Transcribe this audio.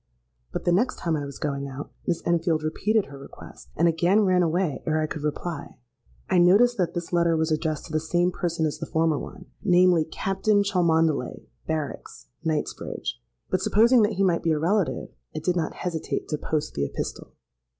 But the next time I was going out, Miss Enfield repeated her request, and again ran away ere I could reply. I noticed that this letter was addressed to the same person as the former one—namely, 'Captain Cholmondeley, Barracks, Knightsbridge;'—but supposing that he might be a relative, I did not hesitate to post the epistle.